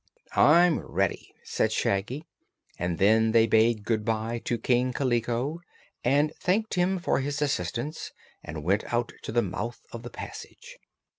"I'm ready," said Shaggy, and then they bade good bye to King Kaliko, and thanked him for his assistance, and went out to the mouth of the passage.